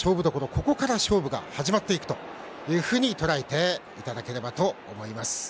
ここから勝負が始まっていくというふうに捉えていただければと思います。